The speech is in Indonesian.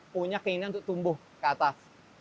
punya keinginan untuk tumbuh ke atas